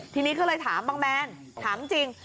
ทีนี้ก็เลยถามบางแมนถามจริง